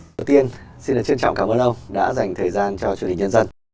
trước tiên xin trân trọng cảm ơn ông đã dành thời gian cho chương trình nhân dân